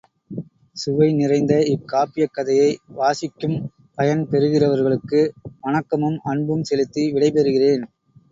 சுவை நிறைந்த இக் காப்பியக் கதையை வாசிக்கும் பயன் பெறுகிறவர்களுக்கு வணக்கமும் அன்பும் செலுத்தி விடைபெறுகிறேன்.